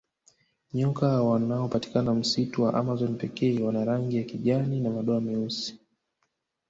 Nyoka wanaopatikana msitu wa amazon pekee wana rangi ya kijani na madoa meusi